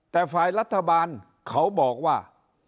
แต่ฝ่ายรัฐบาลเขาบอกว่า